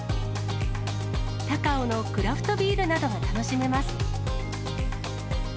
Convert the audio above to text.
高尾のクラフトビールなどが楽しめます。